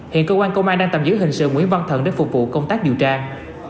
hiện cơ quan công an đang tầm giữ hình sự nguyễn văn thần để phục vụ công tác dự trang